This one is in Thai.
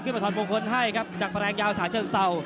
ขึ้นมาถอดมงคลให้ครับจากพลายังยาวเฉากเส้า